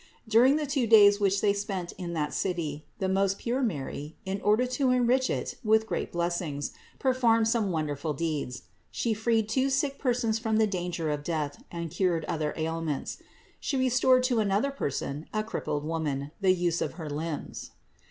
During the two days which they spent in that city the most pure Mary, in order to enrich it with great blessings, performed some wonderful deeds. She freed two sick persons from the danger of death and cured their ailments. She restored to another person, a crippled woman, the use of her limbs.